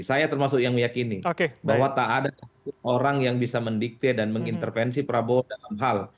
saya termasuk yang meyakini bahwa tak ada orang yang bisa mendikte dan mengintervensi prabowo dalam hal kebijakan politik lima tahun yang akan datang